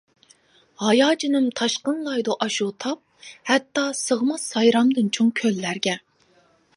ھاياجىنىم تاشقىنلايدۇ ئاشۇ تاپ، ھەتتا سىغماس سايرامدىن چوڭ كۆللەرگە.